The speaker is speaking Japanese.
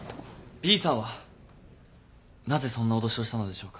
Ｂさんはなぜそんな脅しをしたのでしょうか？